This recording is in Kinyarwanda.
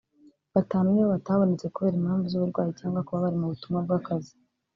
batanu nibo batabonetse kubera impamvu z’uburwayi cyangwa kuba bari mu butumwa bw’akazi